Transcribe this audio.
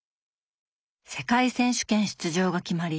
世界選手権出場が決まり